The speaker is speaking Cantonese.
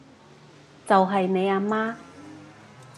就係你阿媽